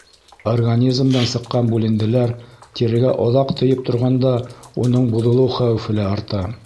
Организмдан сыҡҡан бүленделәр тирегә оҙаҡ тейеп торғанда уның боҙолоу хәүефе лә арта.